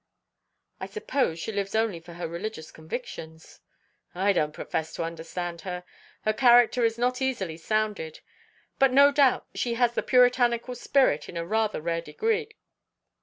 "I suppose she lives only for her religious convictions?" "I don't profess to understand her. Her character is not easily sounded. But no doubt she has the puritanical spirit in a rather rare degree.